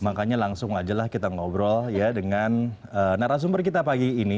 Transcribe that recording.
makanya langsung aja lah kita ngobrol ya dengan narasumber kita pagi ini